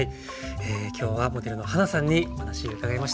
今日はモデルのはなさんにお話を伺いました。